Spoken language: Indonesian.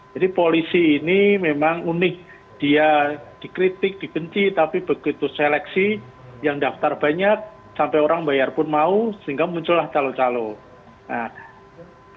jadi polisi ini memang unik dia dikritik dibenci tapi begitu seleksi yang daftar banyak sampai orang bayar pun mau sehingga muncullah calon calon